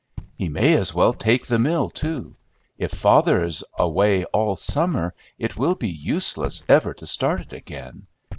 "He may as well take the mill, too. If father is away all summer it will be useless ever to start it again.